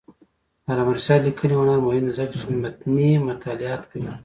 د علامه رشاد لیکنی هنر مهم دی ځکه چې متني مطالعات کوي.